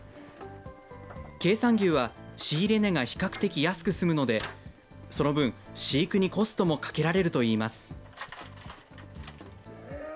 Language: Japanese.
経産牛は仕入れ値が比較的安く済むので、その分、飼育にコストもかけられるといいます。